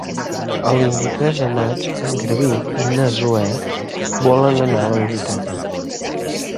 El vint-i-tres de maig en Garbí i na Zoè volen anar a la biblioteca.